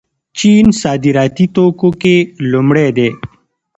چین صادراتي توکو کې لومړی دی.